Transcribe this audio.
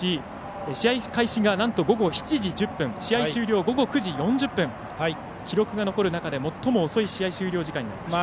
試合開始が午後７時１０分試合終了は午後９時４０分記録が残る中で最も遅い試合終了時間になりました。